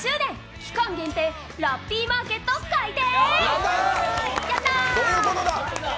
期間限定ラッピーマーケット開店！